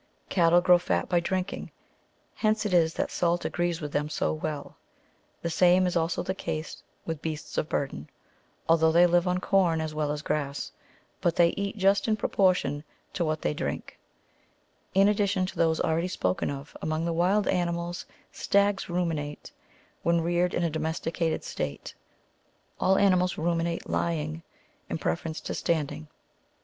Cattle grow fat by drinking ; hence it is that salt agrees with them so well ; the same is also the case with beasts of burden, although they live on corn as well as grass ; but they eat just in proportion to what they drink. In addition to those already spoken of, among the wild animals, stags ruminate, when reared in a domesticated state. All animals ruminate lying in preference to standing, "^ As to these monkies, see B. xviii. c. 30, and c. 80. 55 /. e.